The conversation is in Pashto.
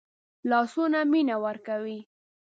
لاسونه مینه ورکوي